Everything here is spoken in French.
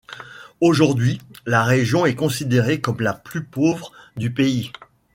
Aujourd'hui, la région est considérée comme la plus pauvre du pays.